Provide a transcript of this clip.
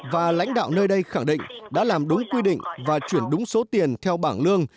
và lãnh đạo nơi đây khẳng định đã làm đúng quy định và chuyển đúng số tiền theo bảng lương